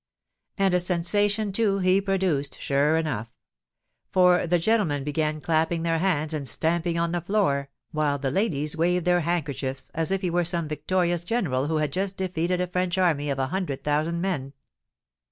And a sensation, too, he produced, sure enough; for the gentlemen began clapping their hands and stamping on the floor, while the ladies waved their handkerchiefs as if he were some victorious general who had just defeated a French army of a hundred thousand men.